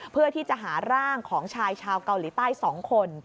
เพื่อที่จะหาร่างของชายชาวเกาหลีใต้๒คน